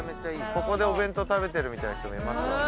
ここでお弁当食べてるみたいな人もいますよね。